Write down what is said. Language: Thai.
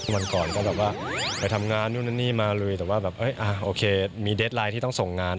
วันก่อนก็แบบว่าไปทำงานนู่นนี่มาลุยแต่ว่าแบบโอเคมีเดสไลน์ที่ต้องส่งงาน